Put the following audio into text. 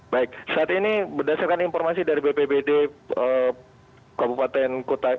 baik saat ini berdasarkan informasi dari bppd kabupaten kutai